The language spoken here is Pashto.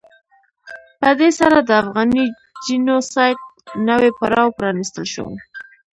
په دې سره د افغاني جینو سایډ نوی پړاو پرانستل شو.